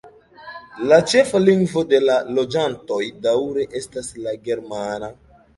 La ĉefa lingvo de la loĝantoj daŭre estas la germana.